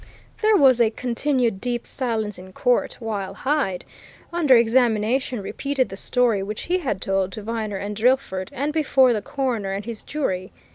There was a continued deep silence in court while Hyde, under examination, repeated the story which he had told to Viner and Drillford and before the coroner and his jury.